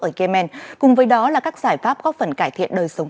ở yemen cùng với đó là các giải pháp góp phần cải thiện đời sống